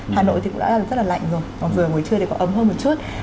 hà nội thì cũng đã rất là lạnh rồi còn rồi buổi trưa thì còn ấm hơn một chút